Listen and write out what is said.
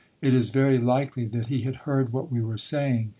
It is very likely that he had heard what we were saying.